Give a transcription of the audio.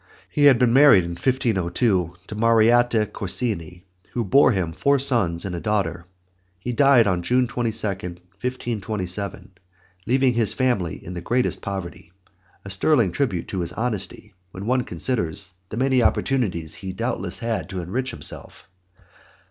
He had been married in 1502 to Marietta Corsini, who bore him four sons and a daughter. He died on June 22, 1527, leaving his family in the greatest poverty, a sterling tribute to his honesty, when one considers the many opportunities he doubtless had to enrich himself.